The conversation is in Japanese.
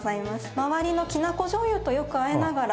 周りのきな粉じょうゆとよくあえながら。